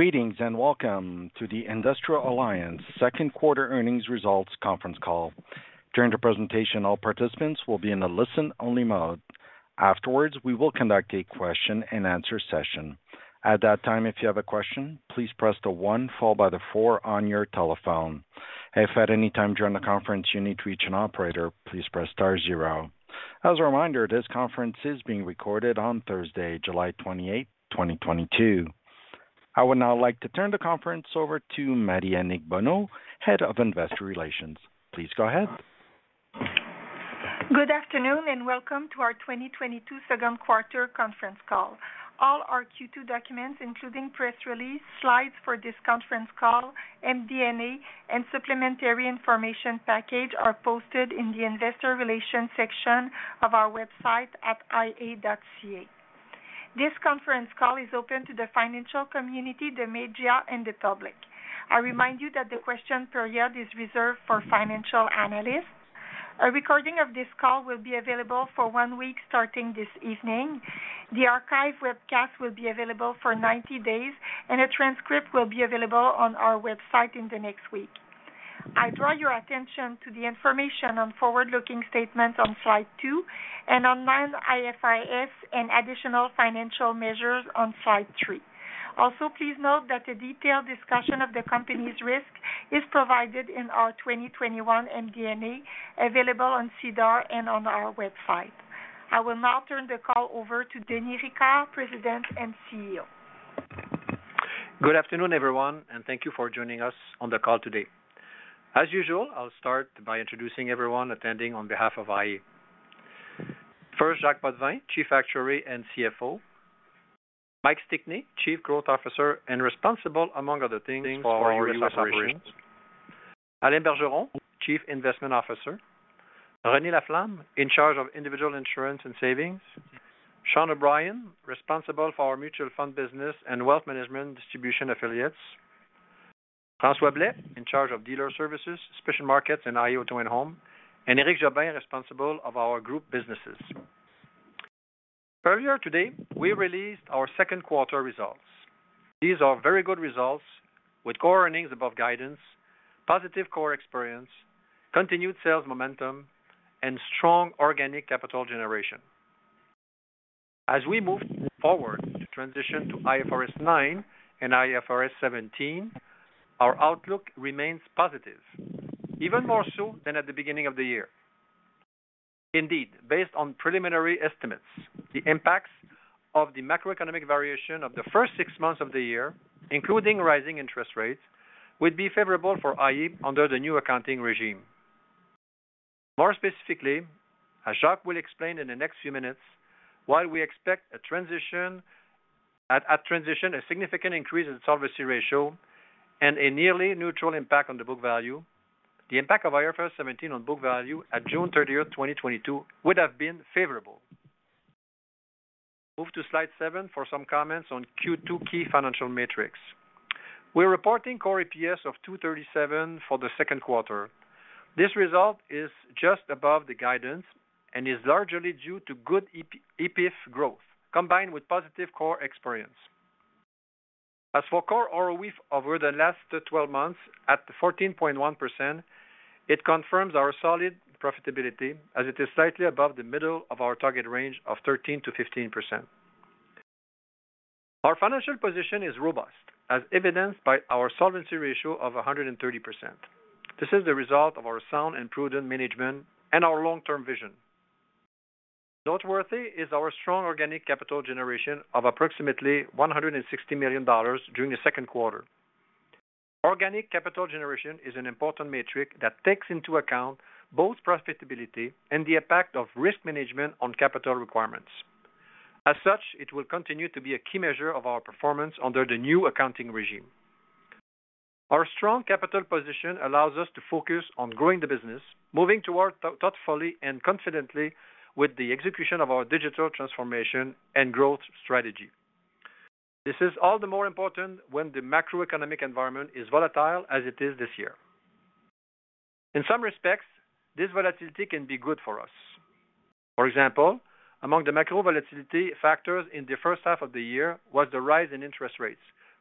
Greetings, and welcome to the iA Financial Group second quarter earnings results conference call. During the presentation, all participants will be in a listen-only mode. Afterwards, we will conduct a question-and-answer session. At that time, if you have a question, please press one followed by four on your telephone. If at any time during the conference you need to reach an operator, please press star zero. As a reminder, this conference is being recorded on Thursday, July 28, 2022. I would now like to turn the conference over to Marie-Annick Bonneau, Head of Investor Relations. Please go ahead. Good afternoon, and welcome to our 2022 second quarter conference call. All our Q2 documents, including press release, slides for this conference call, MD&A, and supplementary information package, are posted in the investor relations section of our website at ia.ca. This conference call is open to the financial community, the media, and the public. I remind you that the question period is reserved for financial analysts. A recording of this call will be available for one week starting this evening. The archive webcast will be available for 90 days, and a transcript will be available on our website in the next week. I draw your attention to the information on forward-looking statements on slide two and on non-IFRS and additional financial measures on slide three. Also, please note that a detailed discussion of the company's risk is provided in our 2021 MD&A available on SEDAR and on our website. I will now turn the call over to Denis Ricard, President and CEO. Good afternoon, everyone, and thank you for joining us on the call today. As usual, I'll start by introducing everyone attending on behalf of iA. First, Jacques Potvin, Chief Actuary and CFO. Mike Stickney, Chief Growth Officer and responsible, among other things, for U.S. operations. Alain Bergeron, Chief Investment Officer. Renée Laflamme, in charge of individual insurance and savings. Sean O'Brien, responsible for our mutual fund business and wealth management distribution affiliates. François Blais, in charge of dealer services, special markets, and iA Auto and Home. Eric Jobin, responsible of our group businesses. Earlier today, we released our second quarter results. These are very good results, with core earnings above guidance, positive core experience, continued sales momentum, and strong organic capital generation. As we move forward to transition to IFRS 9 and IFRS 17, our outlook remains positive, even more so than at the beginning of the year. Indeed, based on preliminary estimates, the impacts of the macroeconomic variation of the first six months of the year, including rising interest rates, would be favorable for iA under the new accounting regime. More specifically, as Jacques will explain in the next few minutes, while we expect a transition, at transition, a significant increase in the solvency ratio and a nearly neutral impact on the book value, the impact of IFRS 17 on book value at June 30, 2022, would have been favorable. Move to slide seven for some comments on Q2 key financial metrics. We're reporting core EPS of 2.37 for the second quarter. This result is just above the guidance and is largely due to good EPIF growth, combined with positive core experience. As for core ROE over the last 12 months at 14.1%, it confirms our solid profitability, as it is slightly above the middle of our target range of 13%-15%. Our financial position is robust, as evidenced by our solvency ratio of 130%. This is the result of our sound and prudent management and our long-term vision. Noteworthy is our strong organic capital generation of approximately 160 million dollars during the second quarter. Organic capital generation is an important metric that takes into account both profitability and the impact of risk management on capital requirements. As such, it will continue to be a key measure of our performance under the new accounting regime. Our strong capital position allows us to focus on growing the business, moving forward thoughtfully and confidently with the execution of our digital transformation and growth strategy. This is all the more important when the macroeconomic environment is volatile as it is this year. In some respects, this volatility can be good for us. For example, among the macro volatility factors in the first half of the year was the rise in interest rates,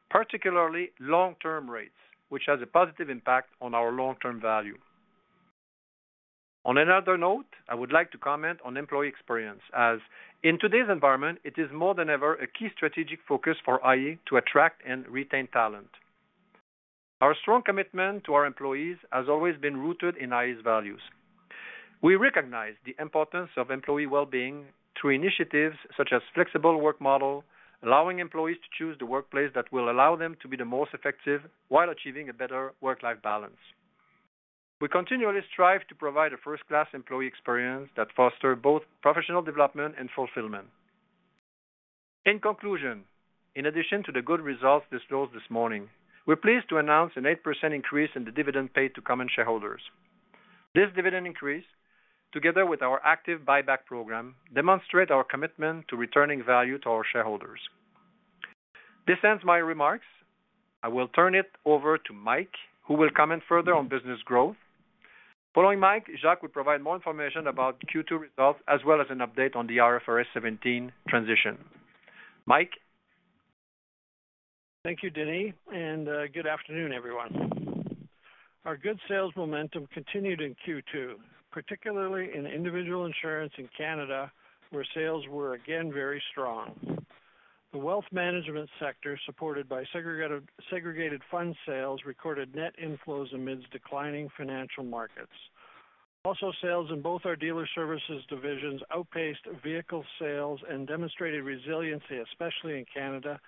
particularly long-term rates, which has a positive impact on our long-term value. On another note, I would like to comment on employee experience, as in today's environment it is more than ever a key strategic focus for iA to attract and retain talent. Our strong commitment to our employees has always been rooted in iA's values. We recognize the importance of employee well-being through initiatives such as flexible work model, allowing employees to choose the workplace that will allow them to be the most effective while achieving a better work-life balance. We continually strive to provide a first-class employee experience that foster both professional development and fulfillment. In conclusion, in addition to the good results disclosed this morning, we're pleased to announce an 8% increase in the dividend paid to common shareholders. This dividend increase, together with our active buyback program, demonstrate our commitment to returning value to our shareholders. This ends my remarks. I will turn it over to Mike, who will comment further on business growth. Following Mike, Jacques will provide more information about Q2 results as well as an update on the IFRS 17 transition. Mike. Thank you, Denis, and good afternoon, everyone. Our good sales momentum continued in Q2, particularly in Individual Insurance in Canada, where sales were again very strong. The Wealth Management sector, supported by Segregated Funds sales, recorded net inflows amidst declining financial markets. Also, sales in both our Dealer Services divisions outpaced vehicle sales and demonstrated resiliency, especially in Canada,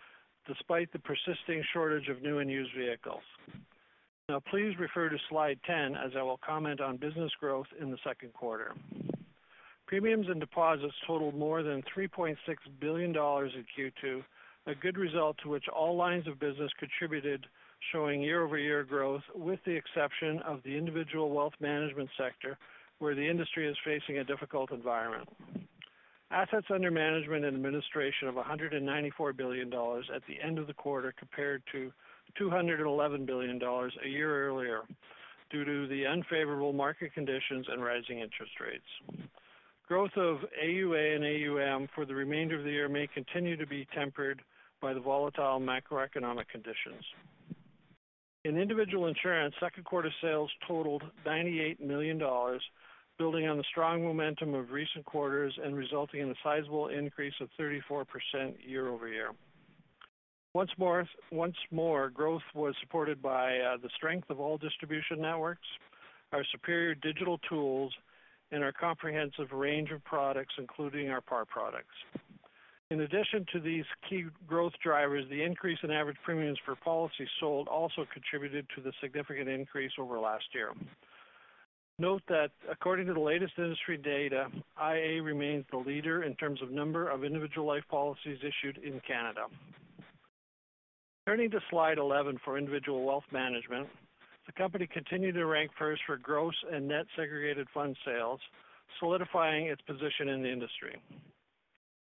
despite the persisting shortage of new and used vehicles. Now please refer to slide 10 as I will comment on business growth in the second quarter. Premiums and deposits totaled more than 3.6 billion dollars in Q2, a good result to which all lines of business contributed, showing year-over-year growth, with the exception of the individual Wealth Management sector where the industry is facing a difficult environment. Assets under management and administration of 194 billion dollars at the end of the quarter, compared to 211 billion dollars a year earlier due to the unfavorable market conditions and rising interest rates. Growth of AUA and AUM for the remainder of the year may continue to be tempered by the volatile macroeconomic conditions. In individual insurance, second quarter sales totaled 98 million dollars, building on the strong momentum of recent quarters and resulting in a sizable increase of 34% year-over-year. Once more, growth was supported by the strength of all distribution networks, our superior digital tools, and our comprehensive range of products, including our PAR products. In addition to these key growth drivers, the increase in average premiums for policies sold also contributed to the significant increase over last year. Note that according to the latest industry data, iA remains the leader in terms of number of individual life policies issued in Canada. Turning to slide 11 for individual wealth management, the company continued to rank first for gross and net segregated fund sales, solidifying its position in the industry.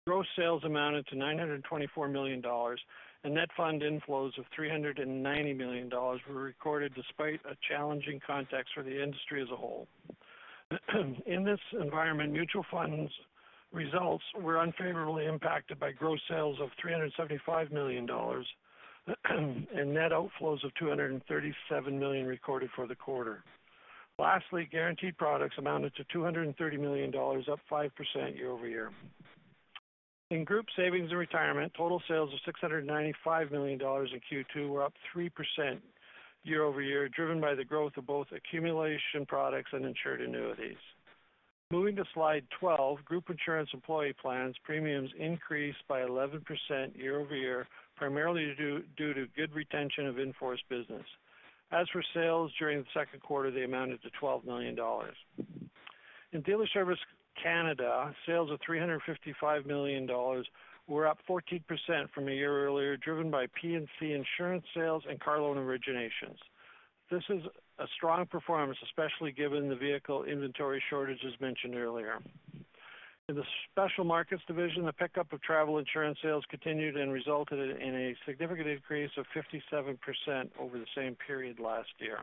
Gross sales amounted to 924 million dollars, and net fund inflows of 390 million dollars were recorded despite a challenging context for the industry as a whole. In this environment, mutual funds results were unfavorably impacted by gross sales of 375 million dollars and net outflows of 237 million recorded for the quarter. Lastly, guaranteed products amounted to 230 million dollars, up 5% year-over-year. In Group Savings and Retirement, total sales of 695 million dollars in Q2 were up 3% year-over-year, driven by the growth of both Accumulation Products and Insured Annuities. Moving to slide 12, Group Insurance employee plans premiums increased by 11% year-over-year, primarily due to good retention of in-force business. As for sales during the second quarter, they amounted to 12 million dollars. In Dealer Services Canada, sales of 355 million dollars were up 14% from a year earlier, driven by P&C insurance sales and car loan originations. This is a strong performance, especially given the vehicle inventory shortages mentioned earlier. In the Special Markets division, the pickup of travel insurance sales continued and resulted in a significant increase of 57% over the same period last year.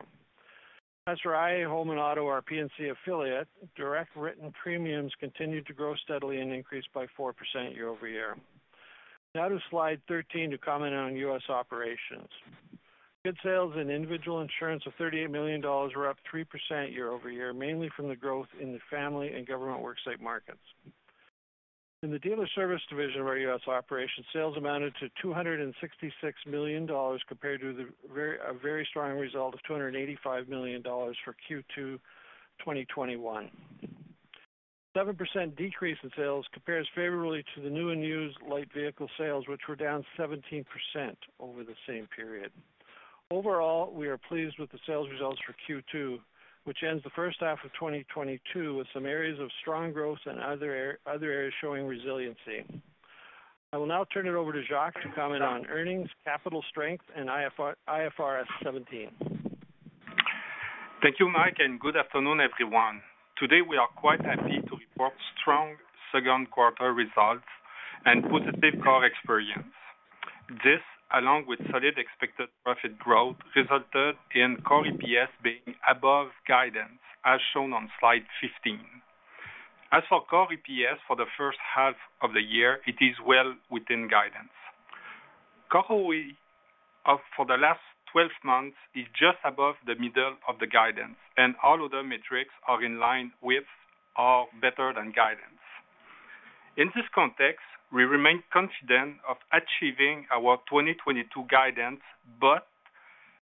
As for iA Auto and Home, our P&C affiliate, direct written premiums continued to grow steadily and increased by 4% year-over-year. Now to slide 13 to comment on U.S. operations. Good sales in Individual Insurance of $38 million were up 3% year-over-year, mainly from the growth in the family and government worksite markets. In the Dealer Services division of our U.S. Operations, sales amounted to $266 million compared to a very strong result of $285 million for Q2 2021. 7% decrease in sales compares favorably to the new and used light vehicle sales, which were down 17% over the same period. Overall, we are pleased with the sales results for Q2, which ends the first half of 2022 with some areas of strong growth and other areas showing resiliency. I will now turn it over to Jacques to comment on earnings, capital strength and IFRS 17. Thank you, Mike, and good afternoon, everyone. Today we are quite happy to report strong second quarter results and positive core experience. This, along with solid expected profit growth, resulted in core EPS being above guidance as shown on slide 15. As for core EPS for the first half of the year, it is well within guidance. Core ROE for the last twelve months is just above the middle of the guidance, and all other metrics are in line with or better than guidance. In this context, we remain confident of achieving our 2022 guidance, but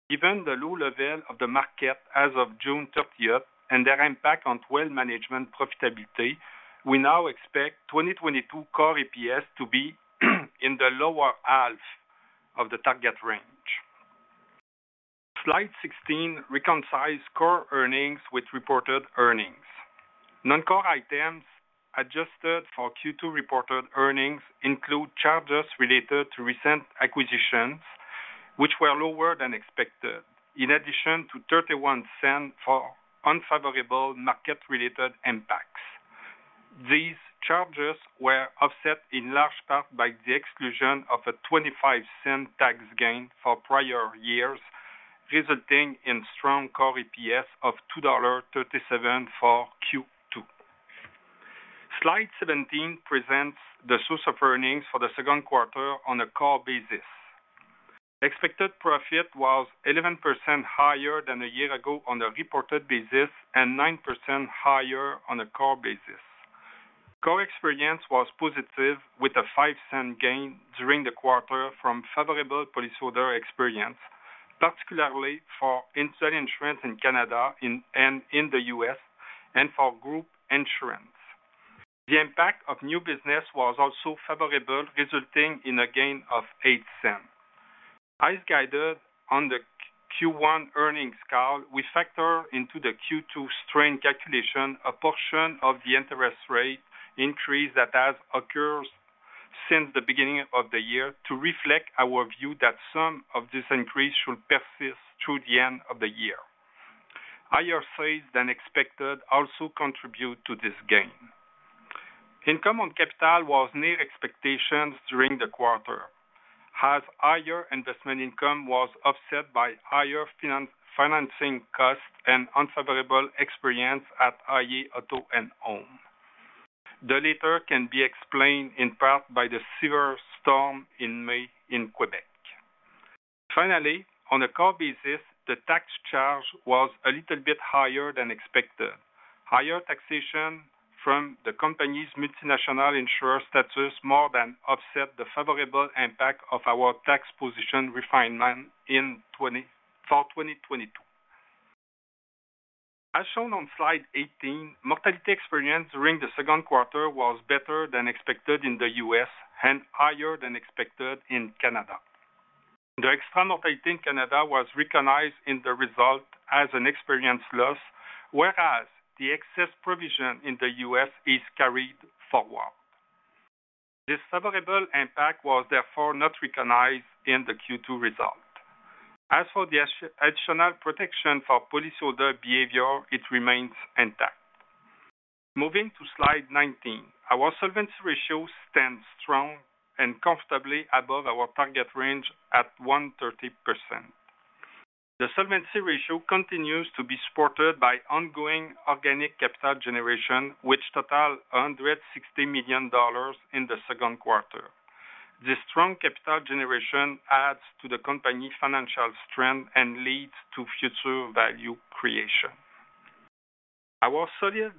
given the low level of the market as of June 30 and their impact on wealth management profitability, we now expect 2022 core EPS to be in the lower half of the target range. Slide 16 reconciles core earnings with reported earnings. Non-core items adjusted for Q2 reported earnings include charges related to recent acquisitions which were lower than expected, in addition to 0.31 for unfavorable market-related impact. These charges were offset in large part by the exclusion of a 0.25 tax gain for prior years, resulting in strong core EPS of 2.37 dollars for Q2. Slide 17 presents the source of earnings for the second quarter on a core basis. Expected profit was 11% higher than a year ago on a reported basis, and 9% higher on a core basis. Core experience was positive, with a 0.05 gain during the quarter from favorable policyholder experience, particularly for insurance in Canada, and in the US, and for Group Insurance. The impact of new business was also favorable, resulting in a gain of 0.08. As guided on the Q1 earnings call, we factor into the Q2 strain calculation a portion of the interest rate increase that has occurred since the beginning of the year to reflect our view that some of this increase should persist through the end of the year. Higher sales than expected also contribute to this gain. Income on capital was near expectations during the quarter, as higher investment income was offset by higher financing costs and unfavorable experience at iA Auto and Home. The latter can be explained in part by the severe storm in May in Quebec. Finally, on a core basis, the tax charge was a little bit higher than expected. Higher taxation from the company's multinational insurer status more than offset the favorable impact of our tax position refinement in 2022. As shown on slide 18, mortality experience during the second quarter was better than expected in the U.S. and higher than expected in Canada. The experience rating Canada was recognized in the result as an experience loss, whereas the excess provision in the U.S. is carried forward. This favorable impact was therefore not recognized in the Q2 result. As for the additional protection for policyholder behavior, it remains intact. Moving to slide 19. Our solvency ratio stands strong and comfortably above our target range at 130%. The solvency ratio continues to be supported by ongoing organic capital generation, which totaled 160 million dollars in the second quarter. This strong capital generation adds to the company's financial strength and leads to future value creation. Our solid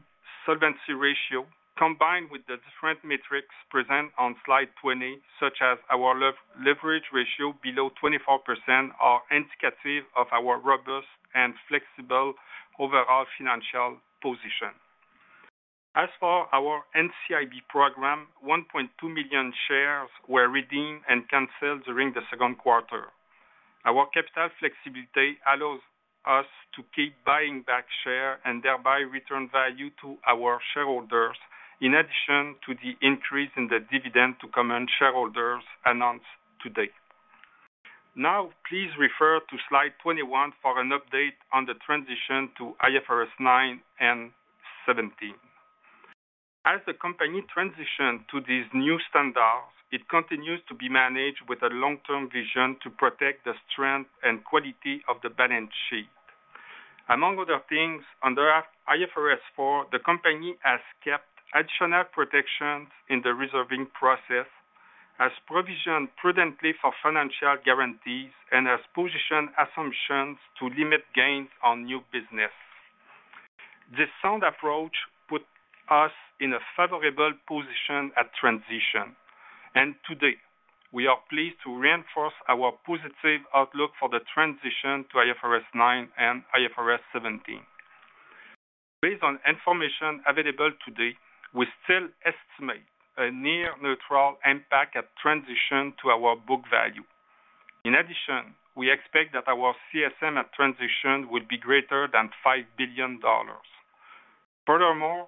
solvency ratio, combined with the different metrics present on slide 20, such as our leverage ratio below 24%, are indicative of our robust and flexible overall financial position. As for our NCIB program, 1.2 million shares were redeemed and canceled during the second quarter. Our capital flexibility allows us to keep buying back shares and thereby return value to our shareholders, in addition to the increase in the dividend to common shareholders announced today. Now, please refer to slide 21 for an update on the transition to IFRS 9 and 17. As the company transitioned to these new standards, it continues to be managed with a long-term vision to protect the strength and quality of the balance sheet. Among other things, under IFRS 4, the company has kept additional protections in the reserving process, has provisioned prudently for financial guarantees, and has positioned assumptions to limit gains on new business. This sound approach put us in a favorable position at transition, and today we are pleased to reinforce our positive outlook for the transition to IFRS 9 and IFRS 17. Based on information available today, we still estimate a near neutral impact at transition to our book value. In addition, we expect that our CSM at transition will be greater than 5 billion dollars. Furthermore,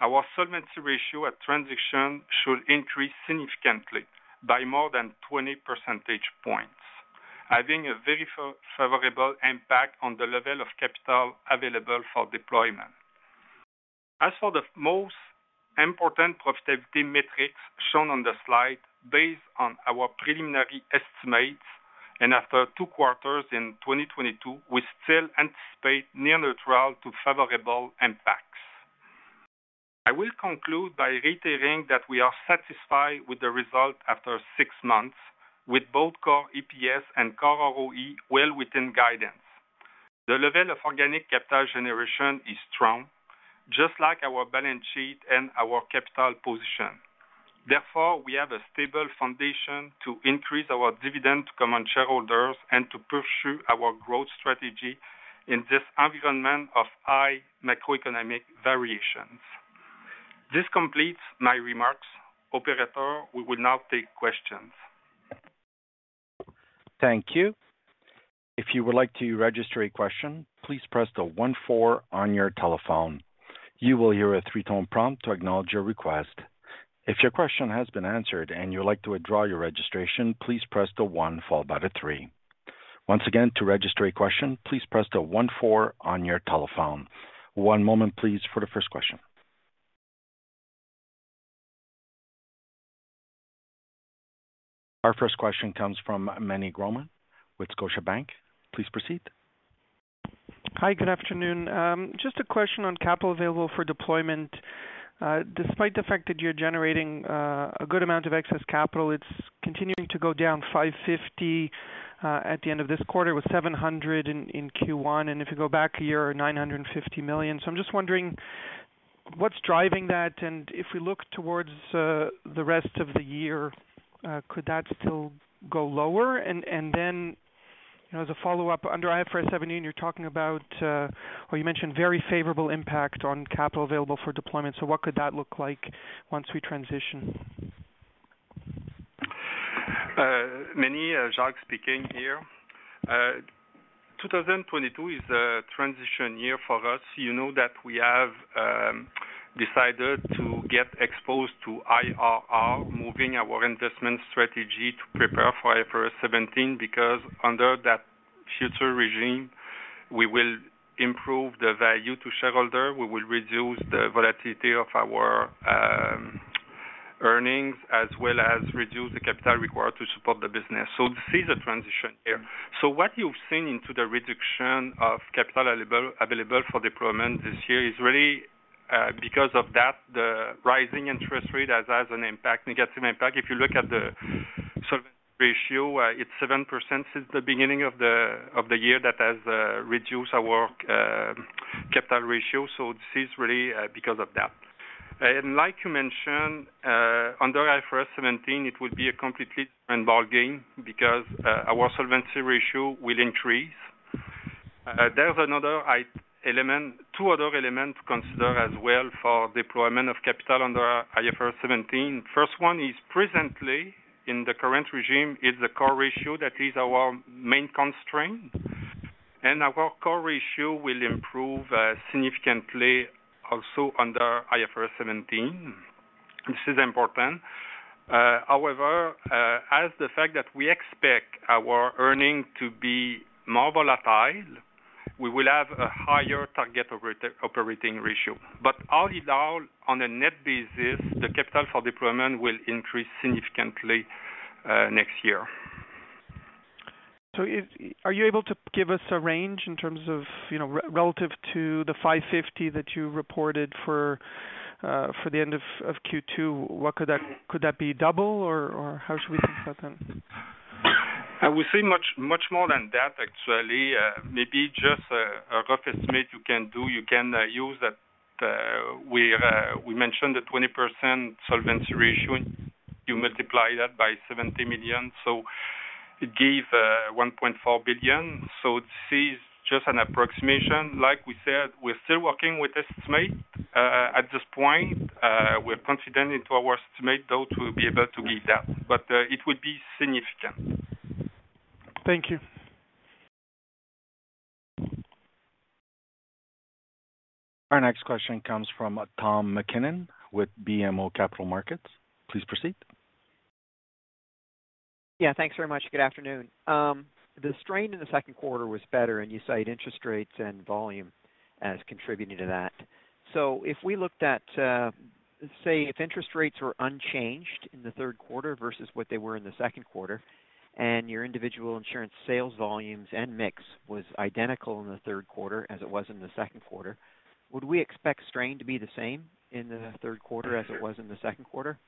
our solvency ratio at transition should increase significantly by more than 20 percentage points, having a very favorable impact on the level of capital available for deployment. As for the most important profitability metrics shown on the slide, based on our preliminary estimates and after two quarters in 2022, we still anticipate near neutral to favorable impacts. I will conclude by reiterating that we are satisfied with the result after six months, with both core EPS and core ROE well within guidance. The level of organic capital generation is strong, just like our balance sheet and our capital position. Therefore, we have a stable foundation to increase our dividend to common shareholders and to pursue our growth strategy in this environment of high macroeconomic variations. This completes my remarks. Operator, we will now take questions. Thank you. If you would like to register a question, please press the one four on your telephone. You will hear a three-tone prompt to acknowledge your request. If your question has been answered and you would like to withdraw your registration, please press the one followed by the three. Once again, to register a question, please press the one four on your telephone. One moment please for the first question. Our first question comes from Meny Grauman with Scotiabank. Please proceed. Hi, good afternoon. Just a question on capital available for deployment. Despite the fact that you're generating a good amount of excess capital, it's continuing to go down 550 million at the end of this quarter with 700 million in Q1. If you go back a year, 950 million. I'm just wondering what's driving that, and if we look towards the rest of the year, could that still go lower? Then, you know, as a follow-up under IFRS 17, you're talking about or you mentioned very favorable impact on capital available for deployment. What could that look like once we transition? Meny, Jacques speaking here. 2022 is a transition year for us. You know that we have decided to get exposed to IRR, moving our investment strategy to prepare for IFRS 17 because under that future regime, we will improve the value to shareholder, we will reduce the volatility of our earnings, as well as reduce the capital required to support the business. This is a transition year. What you've seen in the reduction of capital available for deployment this year is really because of that, the rising interest rates has an impact, negative impact. If you look at the solvency ratio, it's 7% since the beginning of the year that has reduced our capital ratio. This is really because of that. Like you mentioned, under IFRS 17, it will be a completely different ballgame because our solvency ratio will increase. There's another element, two other elements considered as well for deployment of capital under IFRS 17. First one is, presently in the current regime, is the core ratio. That is our main constraint. Our core ratio will improve significantly also under IFRS 17. This is important. However, given the fact that we expect our earnings to be more volatile, we will have a higher target operating ratio. All in all, on a net basis, the capital for deployment will increase significantly next year. Are you able to give us a range in terms of, you know, relative to the 550 that you reported for the end of Q2? Could that be double, or how should we think about that? I would say much, much more than that actually. Maybe just a rough estimate you can do. You can use that, we mentioned the 20% solvency ratio, you multiply that by 70 million, so it give 1.4 billion. So this is just an approximation. Like we said, we're still working with estimate. At this point, we're confident into our estimate, though, to be able to give that, but it would be significant. Thank you. Our next question comes from Tom MacKinnon with BMO Capital Markets. Please proceed. Yeah, thanks very much. Good afternoon. The strain in the second quarter was better, and you cite interest rates and volume as contributing to that. If we looked at, let's say if interest rates were unchanged in the third quarter versus what they were in the second quarter, and your individual insurance sales volumes and mix was identical in the third quarter as it was in the second quarter, would we expect strain to be the same in the third quarter as it was in the second quarter?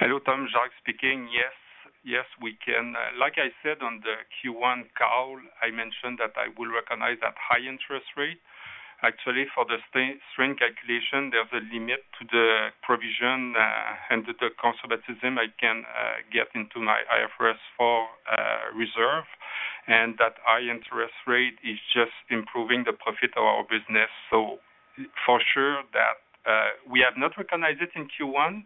Hello, Tom. Jacques speaking. Yes. Yes, we can. Like I said on the Q1 call, I mentioned that I will recognize that high interest rate. Actually, for the strain calculation, there's a limit to the provision under the conservatism I can get into my IFRS 4 reserve, and that high interest rate is just improving the profit of our business. For sure that we have not recognized it in Q1.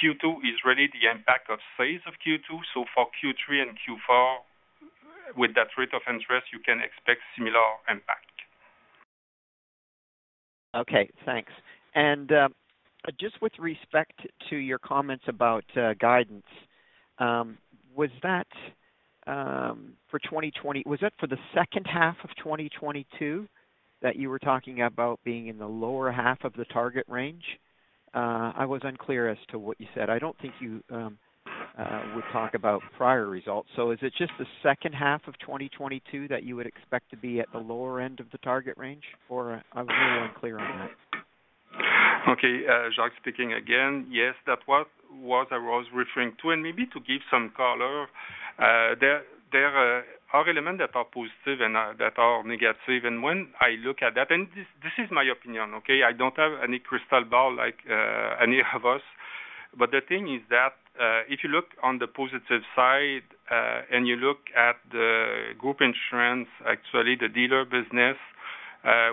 Q2 is really the impact of size of Q2, so for Q3 and Q4, with that rate of interest, you can expect similar impact. Okay, thanks. Just with respect to your comments about guidance, was that for the second half of 2022 that you were talking about being in the lower half of the target range? I was unclear as to what you said. I don't think you would talk about prior results. Is it just the second half of 2022 that you would expect to be at the lower end of the target range? I was really unclear on that. Okay. Jacques speaking again. Yes, that was what I was referring to. Maybe to give some color, there are elements that are positive and that are negative. When I look at that, this is my opinion, okay? I don't have any crystal ball like any of us. But the thing is that, if you look on the positive side, and you look at the group insurance, actually the dealer business,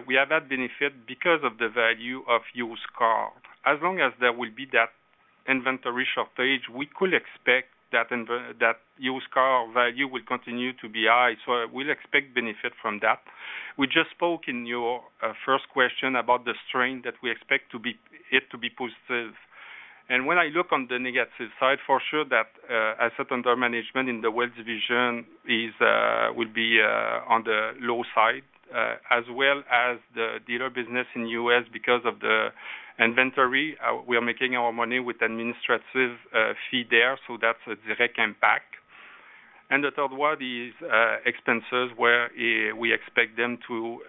we have that benefit because of the value of used car. As long as there will be that inventory shortage, we could expect that used car value will continue to be high. We'll expect benefit from that. We just spoke in your first question about the strain that we expect to be positive. When I look on the negative side, for sure that assets under management in the wealth division will be on the low side, as well as the dealer business in U.S. because of the inventory. We are making our money with administrative fee there, so that's a direct impact. The third one is expenses where we expect them to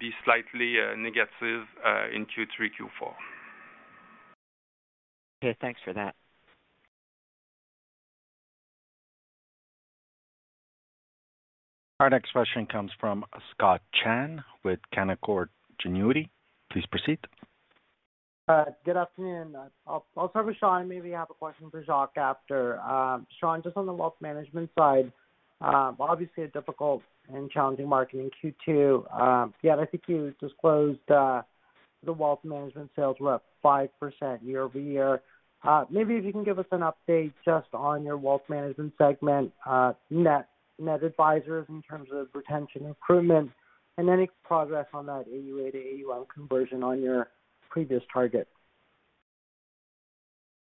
be slightly negative in Q3, Q4. Okay, thanks for that. Our next question comes from Scott Chan with Canaccord Genuity. Please proceed. Good afternoon. I'll start with Sean, maybe have a question for Jacques after. Sean, just on the wealth management side, obviously a difficult and challenging market in Q2. The other thing you disclosed, the wealth management sales were up 5% year-over-year. Maybe if you can give us an update just on your wealth management segment, net-net advisors in terms of retention improvement and any progress on that AUA to AUM conversion on your previous target.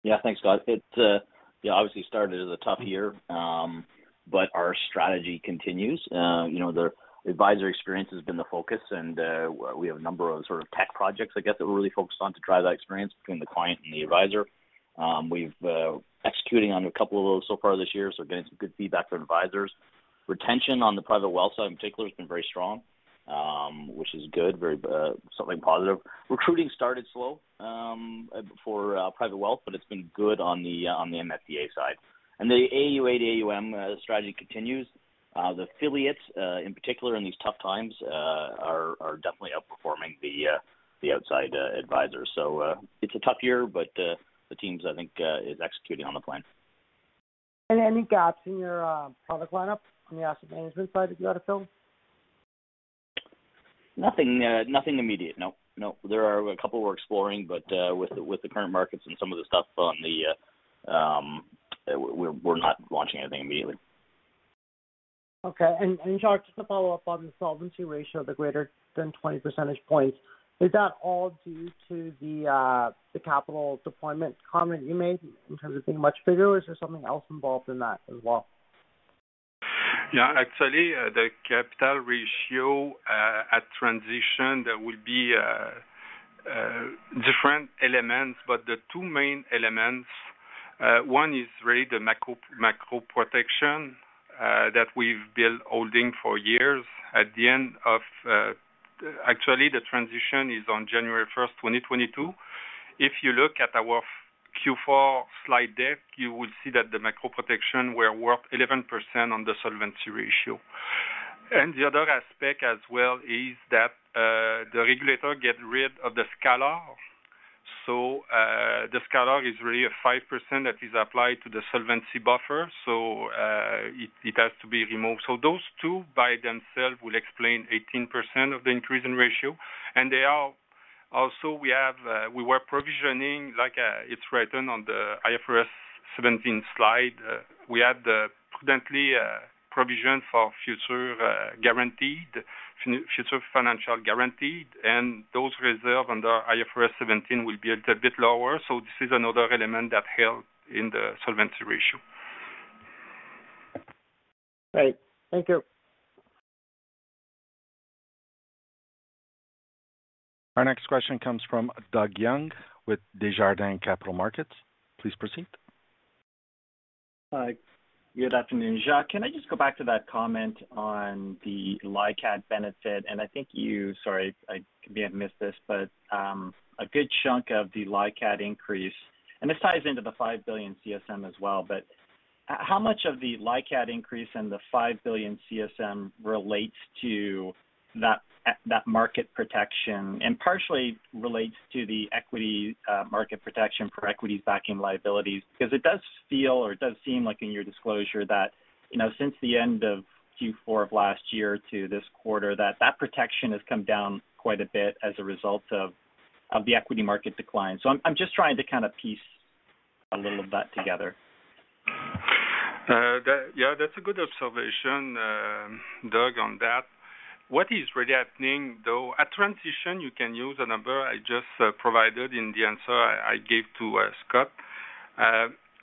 Yeah. Thanks, Scott. It yeah, obviously started as a tough year. Our strategy continues. You know, the advisory experience has been the focus, and we have a number of sort of tech projects, I guess, that we're really focused on to drive that experience between the client and the advisor. We've executing on a couple of those so far this year, so getting some good feedback from advisors. Retention on the private wealth side in particular has been very strong, which is good, something positive. Recruiting started slow for private wealth, but it's been good on the MFDA side. The AUA to AUM strategy continues. The affiliates in particular in these tough times are definitely outperforming the outside advisors. It's a tough year, but the teams I think is executing on the plan. Any gaps in your product lineup on the asset management side that you ought to fill? Nothing, nothing immediate. No, there are a couple we're exploring, but with the current markets and some of the stuff on the, we're not launching anything immediately. Okay. Jacques, just to follow up on the solvency ratio, the greater than 20 percentage points, is that all due to the capital deployment comment you made in terms of being much bigger or is there something else involved in that as well? Yeah. Actually, the capital ratio at transition, there will be different elements, but the two main elements, one is really the macro protection that we've built holding for years. Actually, the transition is on January 1, 2022. If you look at our Q4 slide deck, you will see that the macro protection were worth 11% on the solvency ratio. The other aspect as well is that the regulator get rid of the scalar. The scalar is really a 5% that is applied to the solvency buffer. It has to be removed. Those two by themselves will explain 18% of the increase in ratio. Also, we were provisioning like it's written on the IFRS 17 slide. We had the prudent provision for future guaranteed future financial guarantees, and those reserves under IFRS 17 will be a little bit lower. This is another element that helps in the solvency ratio. Great. Thank you. Our next question comes from Doug Young with Desjardins Capital Markets. Please proceed. Hi. Good afternoon, Jacques. Can I just go back to that comment on the LICAT benefit? I think you, sorry, I may have missed this, but a good chunk of the LICAT increase, and this ties into the 5 billion CSM as well. How much of the LICAT increase in the 5 billion CSM relates to that market protection and partially relates to the equity market protection for equities backing liabilities? Because it does feel or it does seem like in your disclosure that, you know, since the end of Q4 of last year to this quarter, that protection has come down quite a bit as a result of the equity market decline. I'm just trying to kind of piece a little of that together. Yeah, that's a good observation, Doug, on that. What is really happening, though, at transition, you can use a number I just provided in the answer I gave to Scott.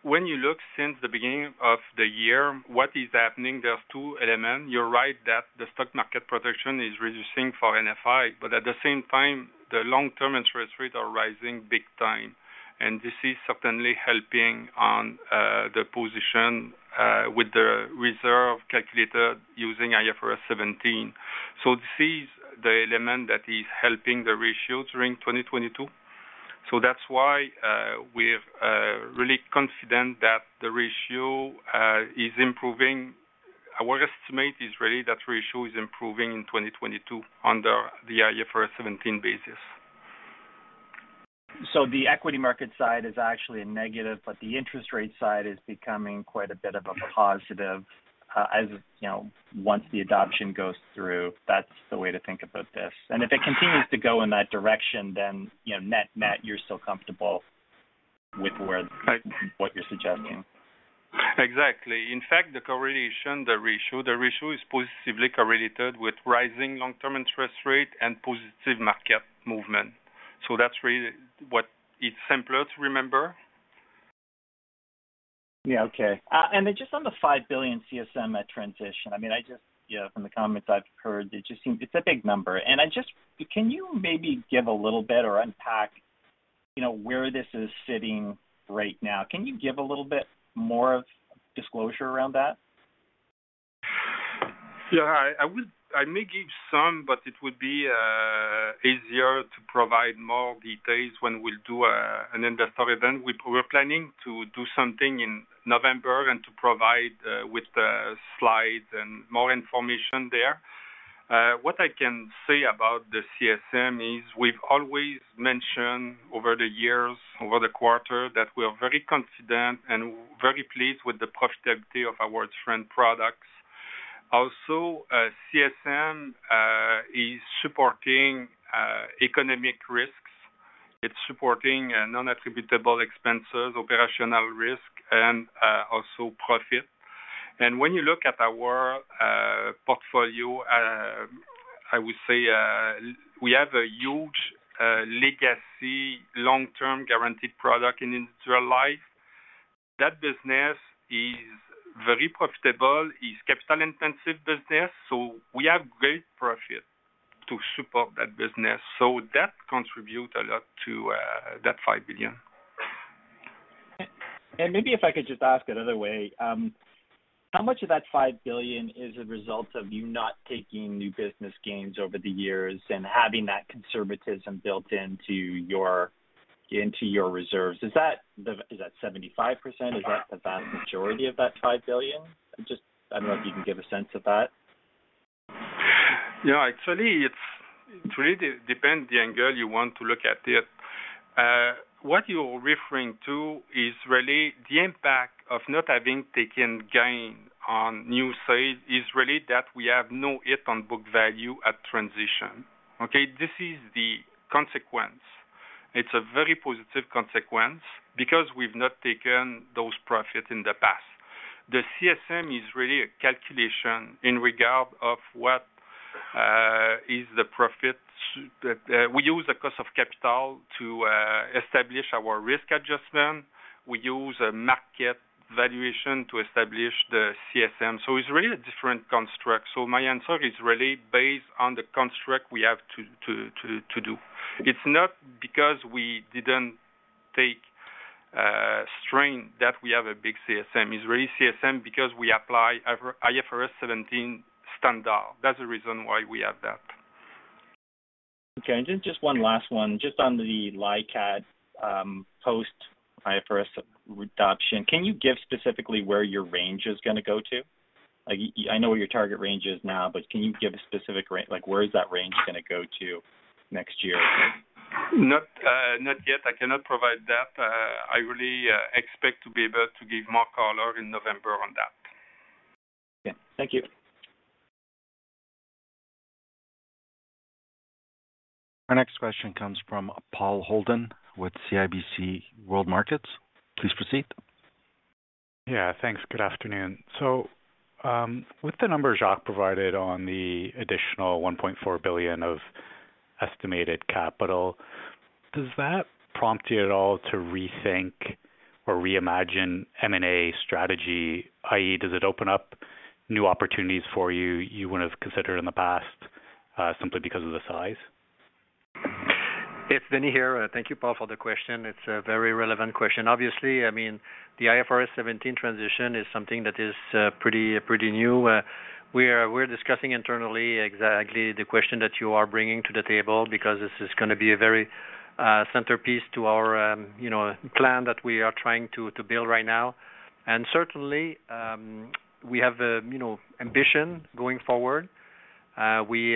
When you look since the beginning of the year, what is happening, there are two elements. You're right that the stock market protection is reducing for NFI, but at the same time, the long-term interest rates are rising big time. This is certainly helping on the position with the reserve calculator using IFRS 17. This is the element that is helping the ratio during 2022. That's why we're really confident that the ratio is improving. Our estimate is really that ratio is improving in 2022 under the IFRS 17 basis. The equity market side is actually a negative, but the interest rate side is becoming quite a bit of a positive, as you know, once the adoption goes through. That's the way to think about this. If it continues to go in that direction, then, you know, net-net, you're still comfortable with where- Right. What you're suggesting. Exactly. In fact, the correlation, the ratio is positively correlated with rising long-term interest rate and positive market movement. That's really what is simpler to remember. Yeah. Okay. Just on the 5 billion CSM at transition, I mean, I just, you know, from the comments I've heard, it just seems it's a big number. Can you maybe give a little bit or unpack, you know, where this is sitting right now? Can you give a little bit more of disclosure around that? I may give some, but it would be easier to provide more details when we'll do an investor event. We're planning to do something in November and to provide with the slides and more information there. What I can say about the CSM is we've always mentioned over the years, over the quarter that we are very confident and very pleased with the profitability of our different products. Also, CSM is supporting economic risks. It's supporting non-attributable expenses, operational risk and also profit. When you look at our portfolio, I would say, we have a huge legacy long-term guaranteed product in Industrial Life. That business is very profitable, is capital-intensive business, so we have great profit to support that business. That contribute a lot to that 5 billion. Maybe if I could just ask another way, how much of that 5 billion is a result of you not taking new business gains over the years and having that conservatism built into your reserves? Is that 75%? Is that the vast majority of that 5 billion? Just, I don't know if you can give a sense of that. Yeah. Actually, it's really depends on the angle you want to look at it. What you're referring to is really the impact of not having taken gain on new sales is really that we have no hit on book value at transition. Okay, this is the consequence. It's a very positive consequence because we've not taken those profits in the past. The CSM is really a calculation in regard to what is the profit. We use the cost of capital to establish our risk adjustment. We use a market valuation to establish the CSM, so it's really a different construct. My answer is really based on the construct we have to do. It's not because we didn't take strain that we have a big CSM. It's really CSM because we apply IFRS 17 standard. That's the reason why we have that. Okay. Just one last one. Just on the LICAT, post-IFRS adoption, can you give specifically where your range is gonna go to? Like, I know where your target range is now, but can you give like, where is that range gonna go to next year? Not yet. I cannot provide that. I really expect to be able to give more color in November on that. Okay. Thank you. Our next question comes from Paul Holden with CIBC World Markets. Please proceed. Yeah. Thanks. Good afternoon. With the number Jacques provided on the additional 1.4 billion of estimated capital, does that prompt you at all to rethink or reimagine M&A strategy, i.e., does it open up new opportunities for you wouldn't have considered in the past, simply because of the size? It's Denis here. Thank you, Paul, for the question. It's a very relevant question. Obviously, I mean, the IFRS 17 transition is something that is pretty new. We're discussing internally exactly the question that you are bringing to the table because this is gonna be a very centerpiece to our, you know, plan that we are trying to build right now. Certainly, we have, you know, ambition going forward. We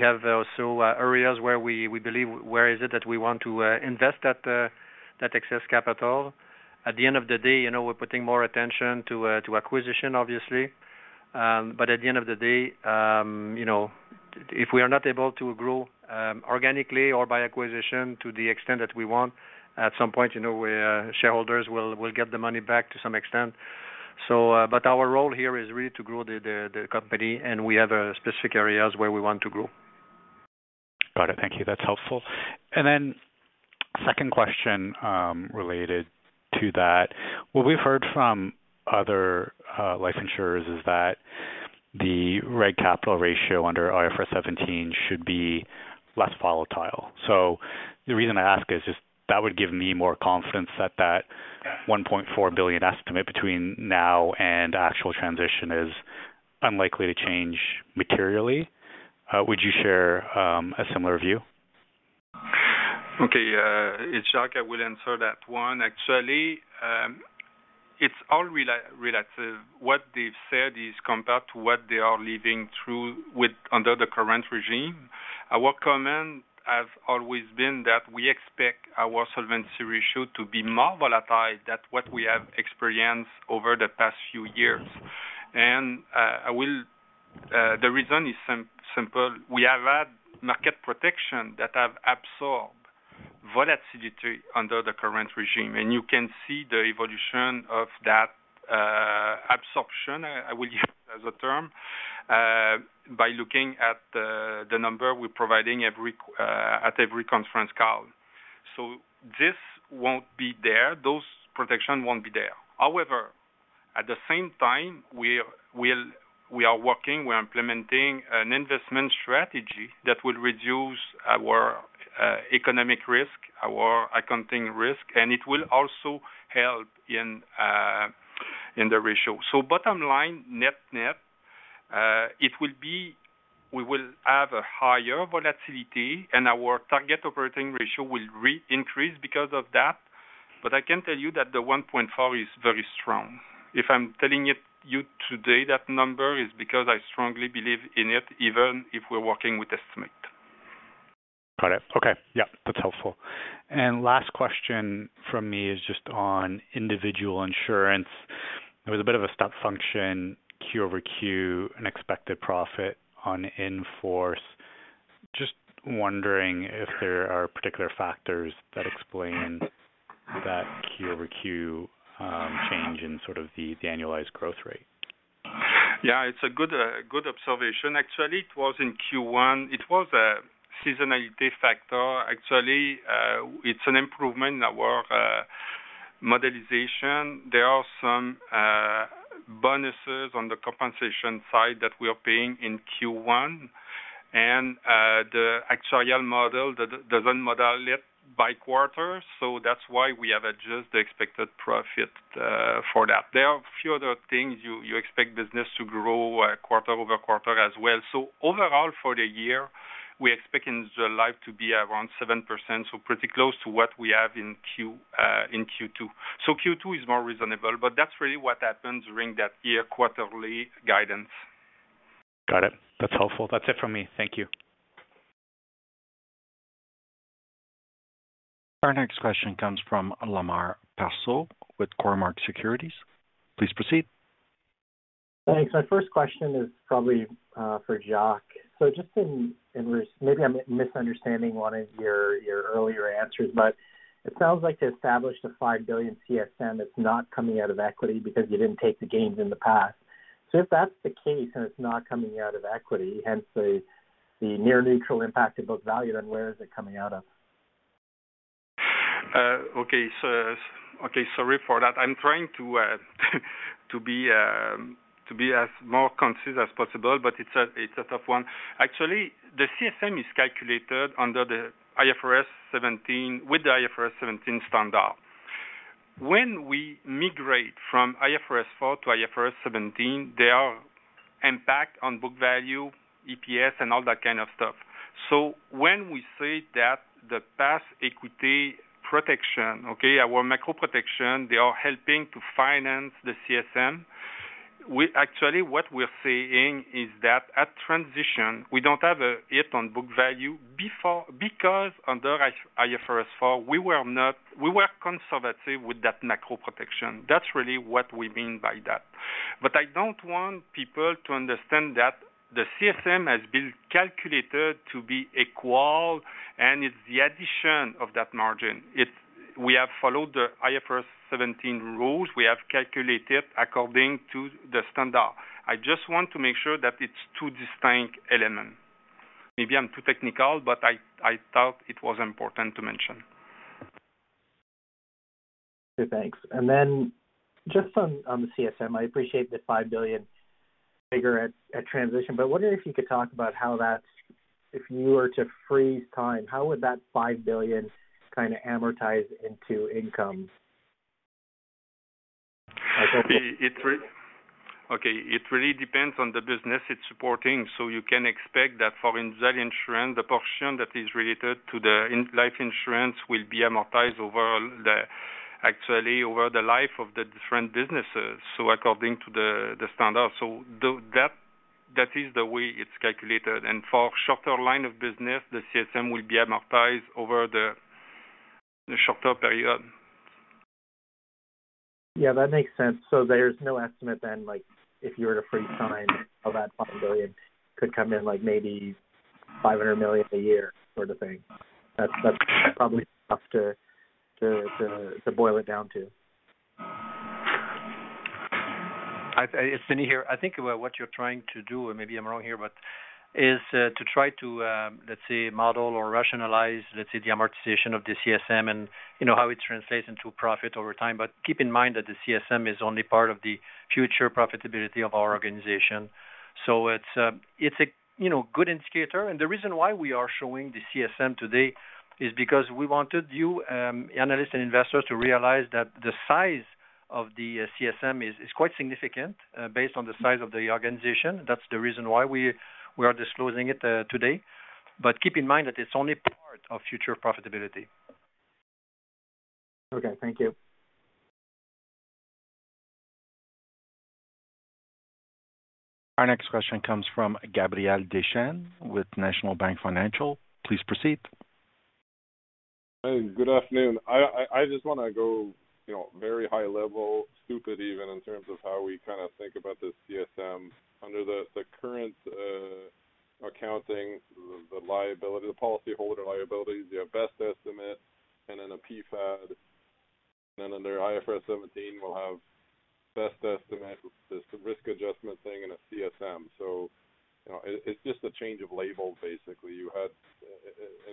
have also areas where we believe where it is that we want to invest that excess capital. At the end of the day, you know, we're putting more attention to acquisition, obviously. At the end of the day, you know, if we are not able to grow organically or by acquisition to the extent that we want, at some point, you know, we shareholders will get the money back to some extent. Our role here is really to grow the company, and we have specific areas where we want to grow. Got it. Thank you. That's helpful. Second question, related to that. What we've heard from other life insurers is that the reg capital ratio under IFRS 17 should be less volatile. The reason I ask is just that would give me more confidence that that 1.4 billion estimate between now and actual transition is unlikely to change materially. Would you share a similar view? Okay. It's Jacques. I will answer that one. Actually, it's all relative. What they've said is compared to what they are living through under the current regime. Our comment has always been that we expect our solvency ratio to be more volatile than what we have experienced over the past few years. I will. The reason is simple. We have had market protections that have absorbed volatility under the current regime, and you can see the evolution of that absorption, I will use as a term, by looking at the number we're providing every quarter at every conference call. This won't be there, those protections won't be there. However, at the same time, we are implementing an investment strategy that will reduce our economic risk, our accounting risk, and it will also help in the ratio. Bottom line, net-net, we will have a higher volatility, and our target operating ratio will re-increase because of that. I can tell you that the 1.4 is very strong. If I'm telling you today that number is because I strongly believe in it, even if we're working with estimate. Got it. Okay. Yeah, that's helpful. Last question from me is just on Individual Insurance. It was a bit of a step function, quarter-over-quarter, in expected profit on in force. Just wondering if there are particular factors that explain that quarter-over-quarter change in sort of the annualized growth rate. Yeah, it's a good observation. Actually, it was in Q1. It was a seasonality factor. Actually, it's an improvement in our modeling. There are some bonuses on the compensation side that we are paying in Q1. The actuarial model, the model is split by quarter, so that's why we have adjusted the expected profit for that. There are a few other things. You expect business to grow quarter-over-quarter as well. Overall for the year, we're expecting the life to be around 7%, so pretty close to what we have in Q2. Q2 is more reasonable, but that's really what happens during that year quarterly guidance. Got it. That's helpful. That's it from me. Thank you. Our next question comes from Lemar Persaud with Cormark Securities. Please proceed. Thanks. My first question is probably for Jacques. Just, maybe I'm misunderstanding one of your earlier answers, but it sounds like to establish the 5 billion CSM, it's not coming out of equity because you didn't take the gains in the past. If that's the case, and it's not coming out of equity, hence the near neutral impact on book value, then where is it coming out of? Okay, sorry for that. I'm trying to be as concise as possible, but it's a tough one. Actually, the CSM is calculated under the IFRS 17, with the IFRS 17 standard. When we migrate from IFRS 4 to IFRS 17, there is an impact on book value, EPS, and all that kind of stuff. When we say that the past equity protection, okay, our macro protection, they are helping to finance the CSM. Actually what we're saying is that at transition, we don't have a hit on book value before, because under IFRS 4, we were conservative with that macro protection. That's really what we mean by that. I don't want people to understand that the CSM has been calculated to be equal, and it's the addition of that margin. We have followed the IFRS 17 rules. We have calculated according to the standard. I just want to make sure that it's two distinct elements. Maybe I'm too technical, but I thought it was important to mention. Okay, thanks. Just on the CSM, I appreciate the 5 billion figure at transition, but wondering if you could talk about how that's, if you were to freeze time, how would that 5 billion kind of amortize into income? Okay, it really depends on the business it's supporting. You can expect that for insurance, the portion that is related to life insurance will be amortized over, actually over the life of the different businesses, so according to the standard. That is the way it's calculated. For shorter line of business, the CSM will be amortized over the shorter period. Yeah, that makes sense. There's no estimate then, like, if you were to freeze time of that 5 billion could come in, like maybe 500 million a year sort of thing. That's probably enough to boil it down to. It's Denis here. I think what you're trying to do, and maybe I'm wrong here, but to try to model or rationalize the amortization of the CSM and, you know, how it translates into profit over time. Keep in mind that the CSM is only part of the future profitability of our organization. It's a good indicator. The reason why we are showing the CSM today is because we wanted you, analysts and investors to realize that the size of the CSM is quite significant based on the size of the organization. That's the reason why we are disclosing it today. Keep in mind that it's only part of future profitability. Okay. Thank you. Our next question comes from Gabriel Dechaine with National Bank Financial. Please proceed. Hey, good afternoon. I just wanna go, you know, very high level, stupid even in terms of how we kind of think about the CSM under the current accounting, the liability, the policyholder liability, the best estimate, and then a PFAD. Under IFRS 17, we'll have best estimate, this risk adjustment thing, and a CSM. You know, it's just a change of label, basically. You had,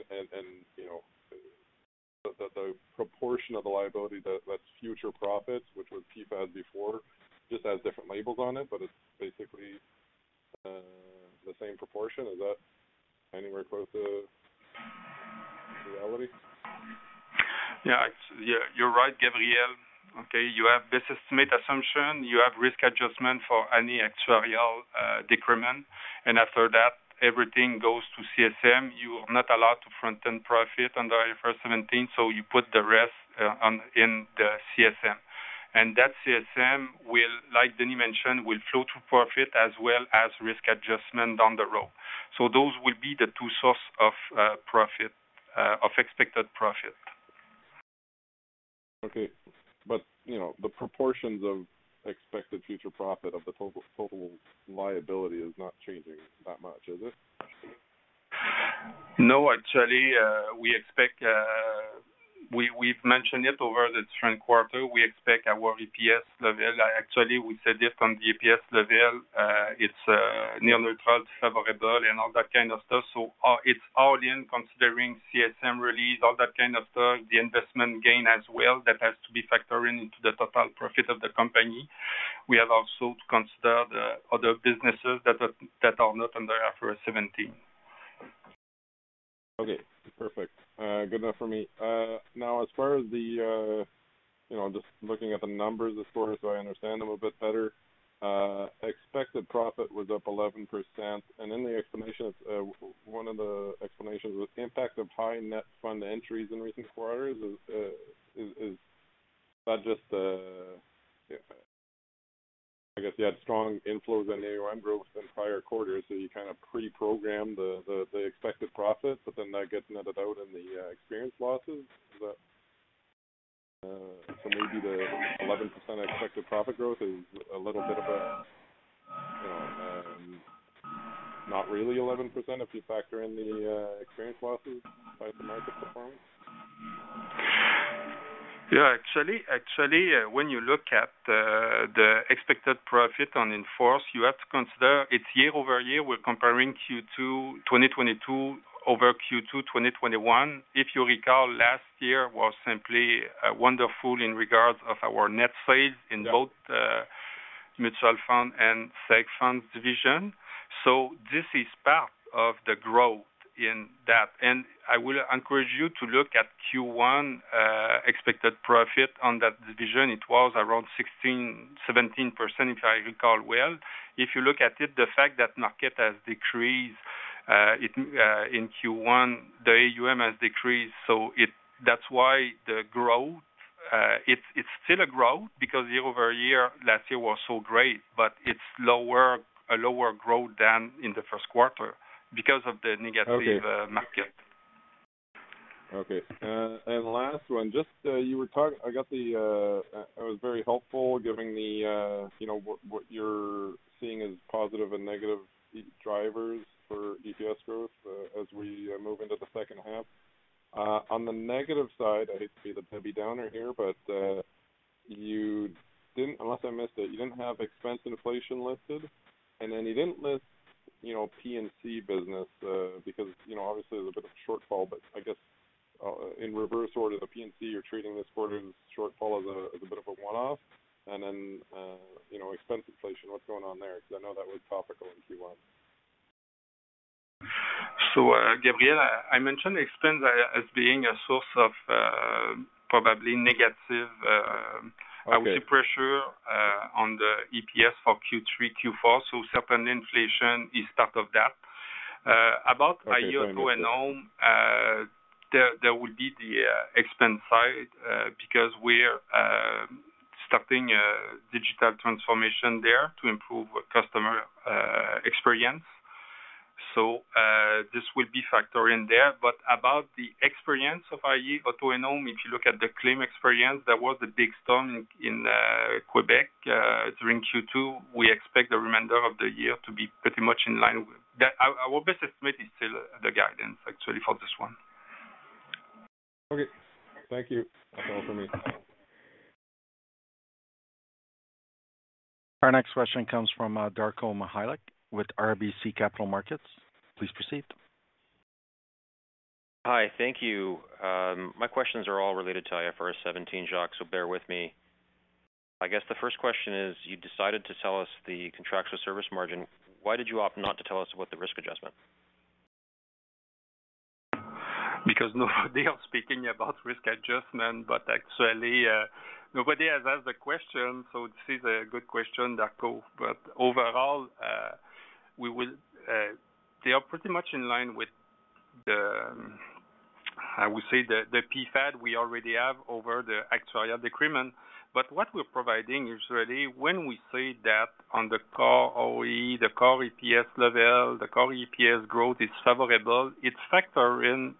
and you know, the proportion of the liability that's future profits, which was PFAD before, just has different labels on it, but it's basically the same proportion. Is that anywhere close to reality? Yeah, actually, you're right, Gabriel. Okay, you have best estimate assumption, you have risk adjustment for any actuarial decrement. After that, everything goes to CSM. You are not allowed to front-end profit under IFRS 17, so you put the rest on, in the CSM. That CSM will, like Denis Ricard mentioned, flow through profit as well as risk adjustment down the road. Those will be the two source of profit of expected profit. Okay. You know, the proportions of expected future profit of the total liability is not changing that much, is it? No, actually, we've mentioned it over the current quarter. Actually, we said this on the EPS level. It's near neutral, favorable, and all that kind of stuff. It's all in considering CSM release, all that kind of stuff, the investment gain as well that has to be factored into the total profit of the company. We have also considered the other businesses that are not under IFRS 17. Okay, perfect. Good enough for me. Now as far as the, you know, just looking at the numbers this quarter, so I understand them a bit better, expected profit was up 11%. In the explanations, one of the explanations was the impact of high net fund entries in recent quarters is that just, I guess you had strong inflows in AUM growth in prior quarters, so you kind of pre-programmed the expected profit, but then that gets netted out in the experience losses. Is that, so maybe the 11% expected profit growth is a little bit of a, you know, not really 11% if you factor in the experience losses by the market performance? Actually, when you look at the expected profit on in force, you have to consider it's year-over-year, we're comparing Q2 2022 over Q2 2021. If you recall, last year was simply wonderful in regards of our net sales. Yeah. in both mutual fund and seg funds division. This is part of the growth in that. I would encourage you to look at Q1 expected profit on that division. It was around 16, 17%, if I recall well. If you look at it, the fact that the market has decreased in Q1, the AUM has decreased, so that's why the growth. It's still a growth because year-over-year, last year was so great, but it's a lower growth than in the first quarter because of the negative- Okay. market. Okay. Last one, just, I guess it was very helpful giving the, you know, what you're seeing as positive and negative drivers for EPS growth, as we move into the second half. On the negative side, I hate to be the heavy downer here, but you didn't, unless I missed it, you didn't have expense inflation listed, and then you didn't list, you know, P&C business, because, you know, obviously there's a bit of shortfall, but I guess in reverse order, the P&C, you're treating this quarter's shortfall as a bit of a one-off. You know, expense inflation, what's going on there? Because I know that was topical in Q1. Gabriel, I mentioned expense as being a source of probably negative. Okay. I would say pressure on the EPS for Q3, Q4, so current inflation is part of that. About Okay. iA Auto and Home, there will be the expense side, because we're starting a digital transformation there to improve customer experience. This will be factored in there. About the experience of iA Auto and Home, if you look at the claim experience, there was a big storm in Quebec during Q2. We expect the remainder of the year to be pretty much in line with that. Our best estimate is still the guidance actually for this one. Okay. Thank you. That's all for me. Our next question comes from Darko Mihelic with RBC Capital Markets. Please proceed. Hi. Thank you. My questions are all related to IFRS 17, Jacques, so bear with me. I guess the first question is, you decided to tell us the contractual service margin. Why did you opt not to tell us about the risk adjustment? Nobody are speaking about risk adjustment, but actually, nobody has asked the question, so this is a good question, Darko. Overall, they are pretty much in line with the, I would say, the PFAD we already have over the actuarial decrement. What we're providing is really when we say that on the core ROE, the core EPS level, the core EPS growth is favorable, it's factoring in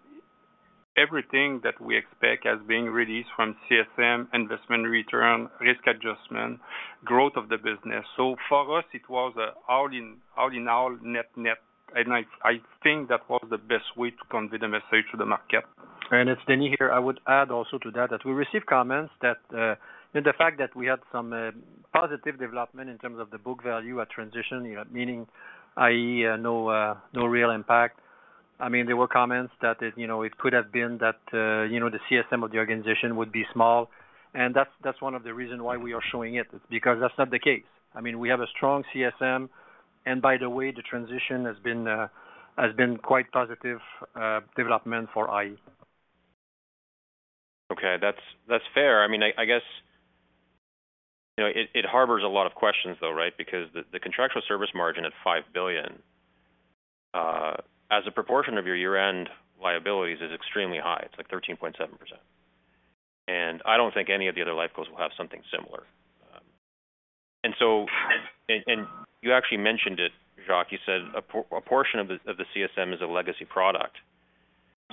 everything that we expect as being released from CSM investment return, risk adjustment, growth of the business. For us it was, all in, all in all net-net, and I think that was the best way to convey the message to the market. It's Denis here. I would add also to that we received comments that the fact that we had some, positive development in terms of the book value at transition, you know, meaning i.e., no real impact. I mean, there were comments that it, you know, it could have been that, you know, the CSM of the organization would be small, and that's that's one of the reason why we are showing it, because that's not the case. I mean, we have a strong CSM, and by the way, the transition has been, has been quite positive development for iA. Okay. That's fair. I mean, I guess, you know, it harbors a lot of questions though, right? Because the contractual service margin at 5 billion as a proportion of your year-end liabilities is extremely high. It's like 13.7%. I don't think any of the other life insurers will have something similar. You actually mentioned it, Jacques. You said a portion of the CSM is a legacy product.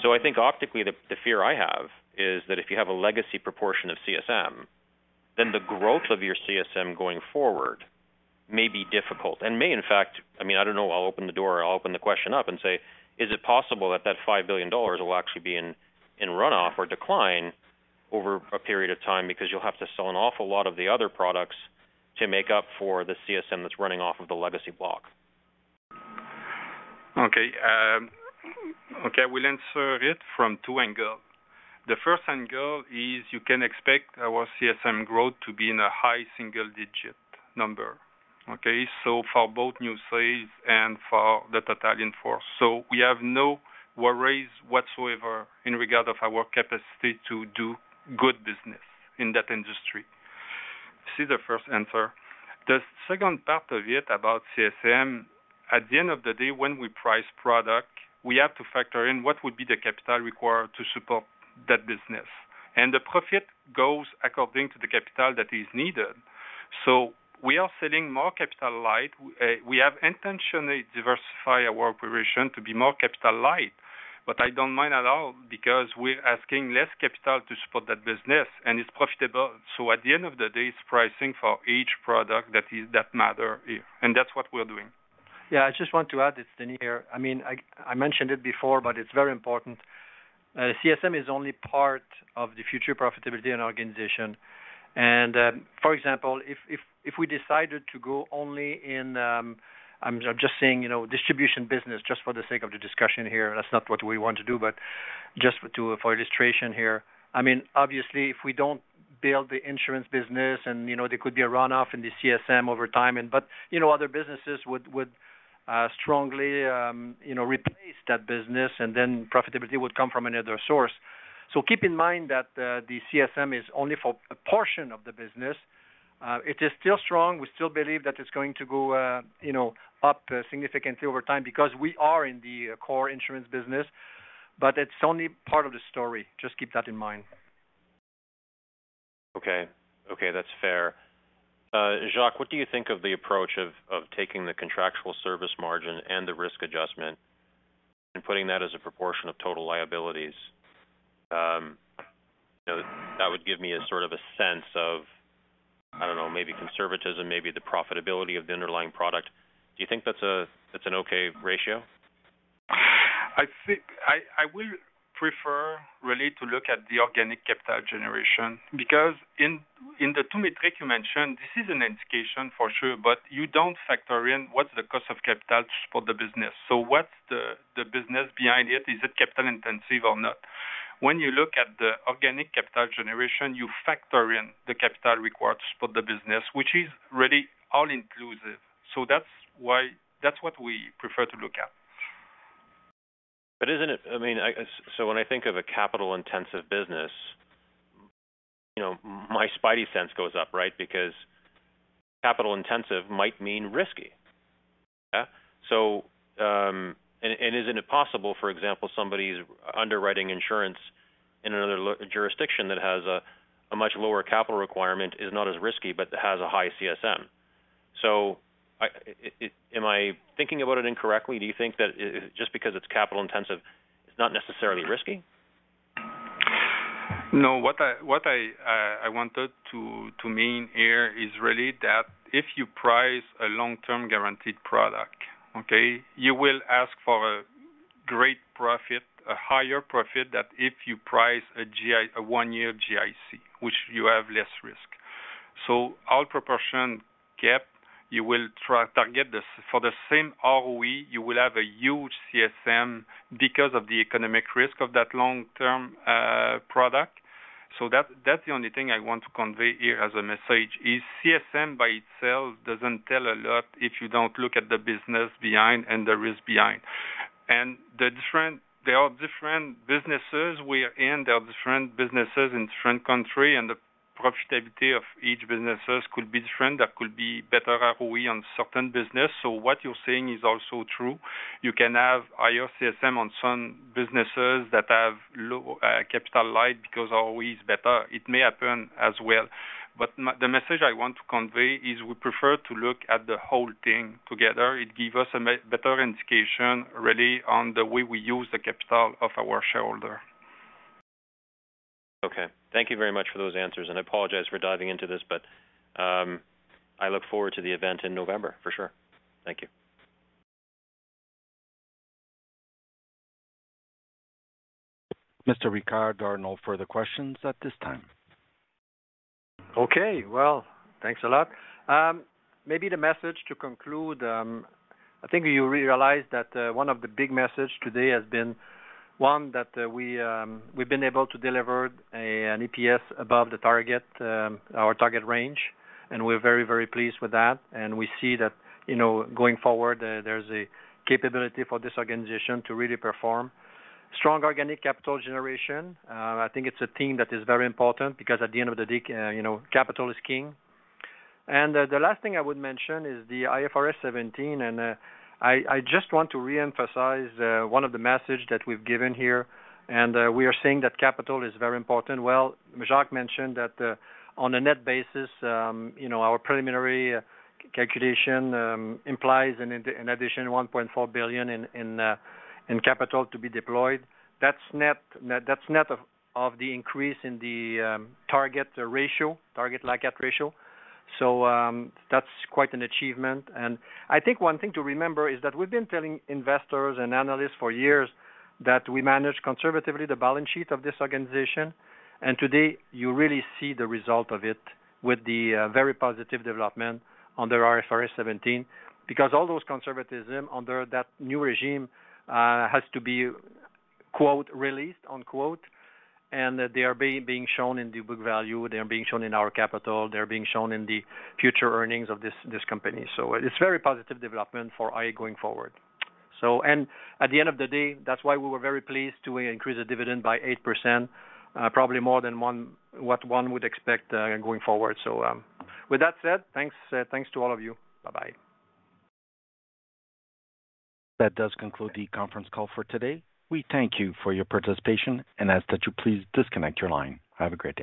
I think optically, the fear I have is that if you have a legacy proportion of CSM, then the growth of your CSM going forward may be difficult and may in fact, I mean, I don't know, I'll open the door or I'll open the question up and say, is it possible that 5 billion dollars will actually be in runoff or decline over a period of time because you'll have to sell an awful lot of the other products to make up for the CSM that's running off of the legacy block? Okay, we'll answer it from two angles. The first angle is you can expect our CSM growth to be in a high single digit number. Okay, so for both new sales and for the in-force. We have no worries whatsoever in regard to our capacity to do good business in that industry. This is the first answer. The second part of it about CSM, at the end of the day when we price product, we have to factor in what would be the capital required to support that business, and the profit goes according to the capital that is needed. We are selling more capital-light. We have intentionally diversified our operations to be more capital-light, but I don't mind at all because we're asking less capital to support that business and it's profitable. At the end of the day, it's pricing for each product that matters here, and that's what we're doing. Yeah, I just want to add, it's Danny here. I mean, I mentioned it before, but it's very important. CSM is only part of the future profitability in our organization. For example, if we decided to go only in, I'm just saying, you know, distribution business just for the sake of the discussion here, that's not what we want to do. But just for illustration here, I mean, obviously if we don't build the insurance business and, you know, there could be a runoff in the CSM over time, but you know, other businesses would strongly, you know, replace that business and then profitability would come from another source. Keep in mind that the CSM is only for a portion of the business. It is still strong. We still believe that it's going to go, you know, up significantly over time because we are in the core insurance business, but it's only part of the story. Just keep that in mind. Okay. Okay. That's fair. Jacques, what do you think of the approach of taking the contractual service margin and the risk adjustment and putting that as a proportion of total liabilities? You know, that would give me a sort of a sense of, I don't know, maybe conservatism, maybe the profitability of the underlying product. Do you think that's an okay ratio? I think I will prefer really to look at the organic capital generation because in the two metric you mentioned, this is an indication for sure, but you don't factor in what's the cost of capital to support the business. So what's the business behind it? Is it capital intensive or not? When you look at the organic capital generation, you factor in the capital required to support the business, which is really all inclusive. So that's why, that's what we prefer to look at. Isn't it? I mean, so when I think of a capital intensive business, you know, my spidey sense goes up, right? Because capital intensive might mean risky. Yeah? So, and isn't it possible, for example, somebody's underwriting insurance in another jurisdiction that has a much lower capital requirement, is not as risky, but has a high CSM? So, am I thinking about it incorrectly? Do you think that just because it's capital intensive, it's not necessarily risky? No. What I wanted to mean here is really that if you price a long-term guaranteed product, okay? You will ask for a great profit, a higher profit than if you price a one-year GIC, which you have less risk. All proportion kept, you will try to get this. For the same ROE, you will have a huge CSM because of the economic risk of that long-term product. That's the only thing I want to convey here as a message is CSM by itself doesn't tell a lot if you don't look at the business behind and the risk behind. There are different businesses we are in. There are different businesses in different country, and the profitability of each businesses could be different. There could be better ROE on certain business. What you're saying is also true. You can have higher CSM on some businesses that have low capital light because ROE is better. It may happen as well. The message I want to convey is we prefer to look at the whole thing together. It give us a better indication really on the way we use the capital of our shareholder. Thank you very much for those answers, and I apologize for diving into this, but I look forward to the event in November for sure. Thank you. Mr. Ricard, there are no further questions at this time. Okay. Well, thanks a lot. Maybe the message to conclude, I think you realize that, one of the big message today has been, one, that, we've been able to deliver a, an EPS above the target, our target range, and we're very, very pleased with that. We see that, you know, going forward, there's a capability for this organization to really perform. Strong organic capital generation. I think it's a theme that is very important because at the end of the day, you know, capital is king. The last thing I would mention is the IFRS 17, and, I just want to reemphasize, one of the message that we've given here, and, we are seeing that capital is very important. Well, Jacques mentioned that on a net basis, you know, our preliminary calculation implies an addition 1.4 billion in capital to be deployed. That's net, that's net of the increase in the target LICAT ratio. That's quite an achievement. I think one thing to remember is that we've been telling investors and analysts for years that we manage conservatively the balance sheet of this organization, and today, you really see the result of it with the very positive development under IFRS 17. Because all those conservatism under that new regime has to be, quote, released, unquote, and they are being shown in the book value, they are being shown in our capital, they are being shown in the future earnings of this company. It's very positive development for iA going forward. At the end of the day, that's why we were very pleased to increase the dividend by 8%, probably more than one would expect, going forward. With that said, thanks to all of you. Bye-bye. That does conclude the conference call for today. We thank you for your participation and ask that you please disconnect your line. Have a great day.